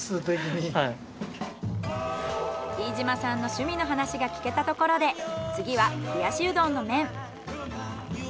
飯嶋さんの趣味の話が聞けたところで次は冷やしうどんの麺。